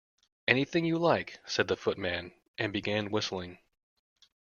‘Anything you like,’ said the Footman, and began whistling.